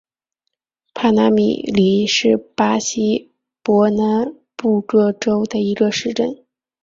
帕纳米林是巴西伯南布哥州的一个市镇。